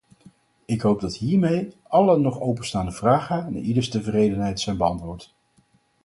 Ik hoop dat hiermee alle nog openstaande vragen naar ieders tevredenheid zijn beantwoord.